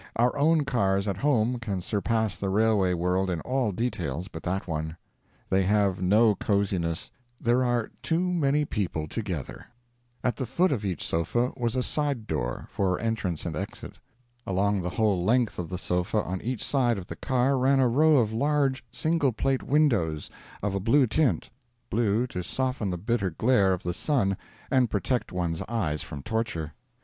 Our own cars at home can surpass the railway world in all details but that one: they have no cosiness; there are too many people together. At the foot of each sofa was a side door, for entrance and exit. Along the whole length of the sofa on each side of the car ran a row of large single plate windows, of a blue tint blue to soften the bitter glare of the sun and protect one's eyes from torture.